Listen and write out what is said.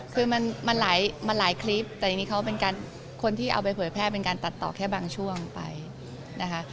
คือมันหลายคลิปแต่อย่างนี้เขาเป็นคนที่เอาไปเผยแพร่เป็นการตัดต่อแค่บางช่วงไปนะคะ